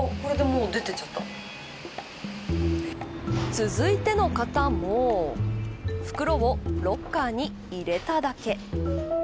続いての方も袋をロッカーに入れただけ。